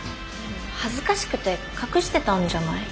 恥ずかしくて隠してたんじゃない？